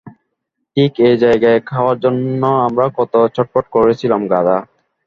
ঠিক এই জায়গায় খাওয়ার জন্য আমরা কত ছটফট করেছিলাম, গাধা!